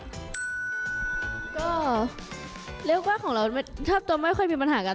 ก็เรียกว่าของเราชอบตัวไม่ค่อยมีปัญหากัน